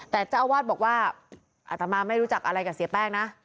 แต่เจ้าอาวาสบอกว่าอัตมาไม่รู้จักอะไรกับเสียแป้งนะ